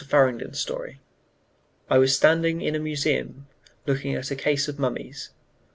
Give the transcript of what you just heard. FARRINGTON'S STORY.] I was standing in a museum looking at a case of mummies.